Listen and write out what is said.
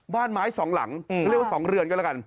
บ้านไม้สองหลังเขาเรียกว่า๒เรือนก็แล้วกัน